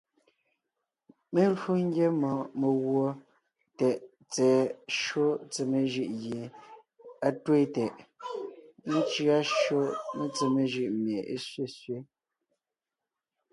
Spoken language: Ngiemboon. Mé lwo ńgyá mɔɔn meguɔ tɛʼ tsɛ̀ɛ shÿó tsemé jʉʼ gie á twéen tɛʼ, ńcʉa shÿó metsemé jʉʼ mie é sẅesẅě.